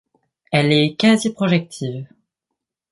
Elle est quasi-projective.